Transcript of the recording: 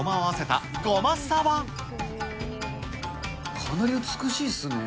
かなり美しいっすね。